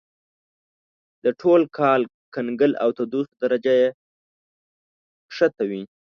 دا ټول کال کنګل او تودوخې درجه یې کښته وي.